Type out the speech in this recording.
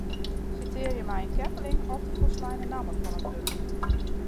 Sitearje mei in keppeling of de folsleine namme fan it wurk.